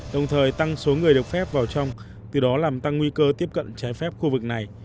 đồng thời tăng số người được phép vào trong từ đó làm tăng nguy cơ tiếp cận trái phép khu vực này